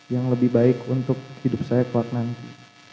yang lebih baik untuk hidup saya kuat nanti